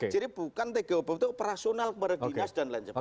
jadi bukan tgpp itu operasional kepada dinas dan lain lain